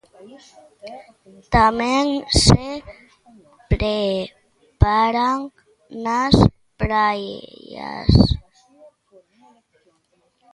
Tamén se preparan nas praias.